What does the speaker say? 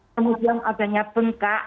kemudian adanya bengkak